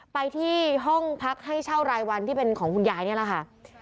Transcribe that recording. ไปที่ห้องพักให้เช่ารายวันที่เป็นของคุณยายนี่แหละค่ะ